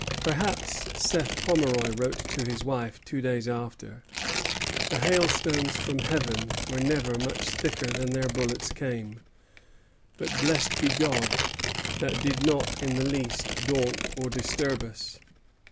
"Perhaps," Seth Pomeroy wrote to his wife, two days after, "the hailstones from heaven were never much thicker than their bullets came; but, blessed be God! that did not in the least daunt or disturb us."